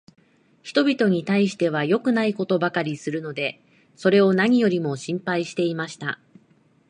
人びとに対しては良くないことばかりするので、それを何よりも心配していました。